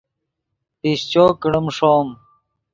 پیشچو کڑیم ݰوم